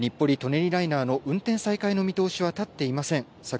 日暮里・舎人ライナーの運転再開の見通しは立っていません。